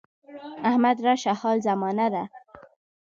احمد راشه حال زمانه ده.